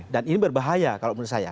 dan ini berbahaya kalau menurut saya